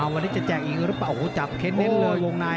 วันนี้จะแจกอีกหรือเปล่าโอ้โหจับเค้นเน้นเลยวงใน